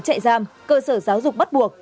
chạy giam cơ sở giáo dục bắt buộc